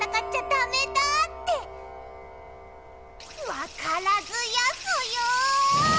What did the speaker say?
わからずやソヨ！